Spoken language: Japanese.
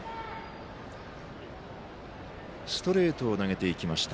ストレートを投げていきました。